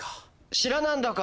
知らなんだか。